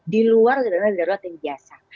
di luar dana darurat yang biasa